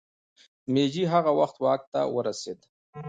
مېجي هغه وخت واک ته ورسېد.